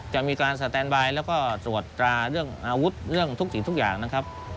จะมีการสแตนบายแล้วก็ตรวจตราเรื่องอาวุธเรื่องทุกสิ่งทุกอย่างนะครับ